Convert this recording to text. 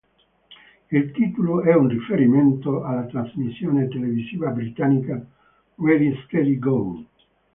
Il titolo è un riferimento alla trasmissione televisiva britannica "Ready Steady Go!